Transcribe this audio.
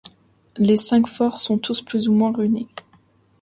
Les cinq forts sont tous plus ou moins ruinés.